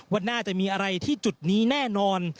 ว่าน่าจะมีอะไรที่จุดนี้แน่นอน